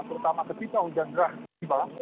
terutama ketika hujan deras di bawah